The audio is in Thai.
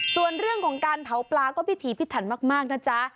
ส่วนเรื่องของการเผาปลาก็พิถีพิถันมากนะจ๊ะ